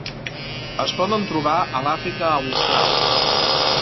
Es poden trobar a l'Àfrica austral.